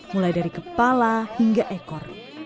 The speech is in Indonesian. mulai dari kepala hingga ekor